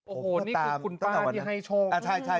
โอ้โหนี้คุณป้าที่ให้โชว์